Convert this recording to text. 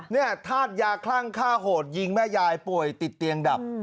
ธาตุยาคลั่งฆ่าโหดยิงแม่ยายป่วยติดเตียงดับ